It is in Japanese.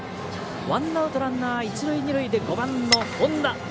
ワンアウトランナー、一塁、二塁で５番の本田。